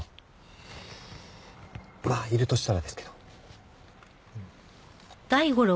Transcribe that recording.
まあいるとしたらですけど。